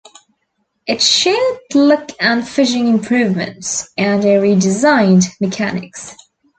It showed look and finishing improvements, and a redesigned mechanics.